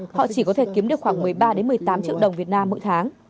họ chỉ có thể kiếm được khoảng một mươi ba một mươi tám triệu đồng việt nam mỗi tháng